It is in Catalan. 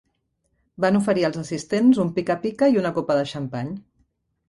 Van oferir als assistents un pica-pica i una copa de xampany.